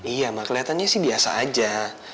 iya ma keliatannya sih biasa aja